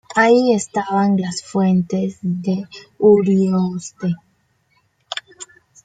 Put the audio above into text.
Allí estaban las fuentes de Urioste.